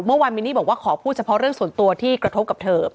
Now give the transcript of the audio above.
เมื่อวานมินนี่บอกว่าขอพูดเฉพาะเรื่องส่วนตัวที่กระทบกับเธอ